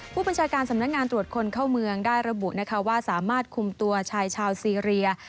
ผู้บัญชาการสำนักงานตรวจคนเข้าเมืองได้ระบุนะคะว่าสามารถคุมตัวชายชาวซีเรีย